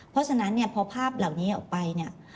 เพราะฉะนั้นพอภาพเหล่านี้ออกไป